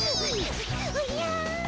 おじゃ。